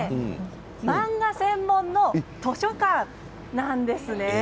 漫画専門の図書館なんです。